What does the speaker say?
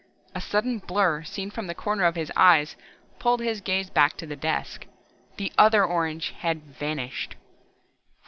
A sudden blur seen from the corner of his eyes pulled his gaze back to the desk. The other orange had vanished.